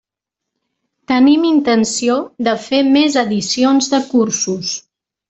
Tenim intenció de fer més edicions de cursos.